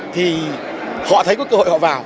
thì họ thấy có cơ hội họ vào